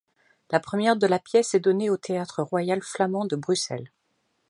La première de la pièce est donnée le au Théâtre royal flamand de Bruxelles.